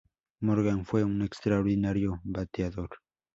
Morgan fue un extraordinario bateador.